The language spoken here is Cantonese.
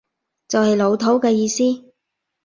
就係老土嘅意思